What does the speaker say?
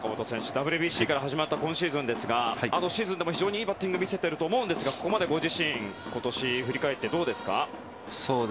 ＷＢＣから始まった今シーズンですがシーズンでも非常にいいバッティングを見せていると思いますが今年を振り返ってどうですか？